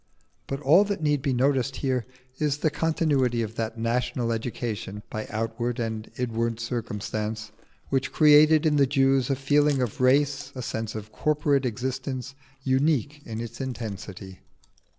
But all that need be noticed here is the continuity of that national education (by outward and inward circumstance) which created in the Jews a feeling of race, a sense of corporate existence, unique in its intensity.